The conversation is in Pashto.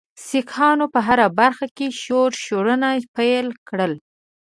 سیکهانو په هره برخه کې ښورښونه پیل کړل.